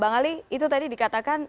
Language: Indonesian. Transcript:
bang ali itu tadi dikatakan